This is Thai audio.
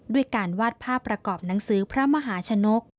ด้วยการวาดภาพประกอบหนังสือพระมหาชนก